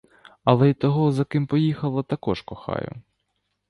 Але й того, за ким поїхала, також кохаю.